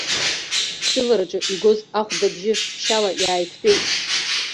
Сывараҿы игоз ахәдабжьы ԥшьаала иааиқәтәеит.